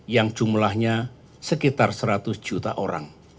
yang jumlahnya sekitar seratus juta orang